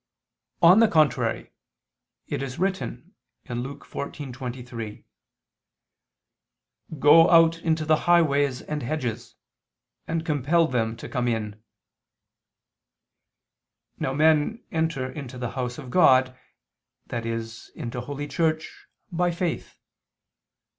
On the contrary, It is written (Luke 14:23): "Go out into the highways and hedges; and compel them to come in." Now men enter into the house of God, i.e. into Holy Church, by faith.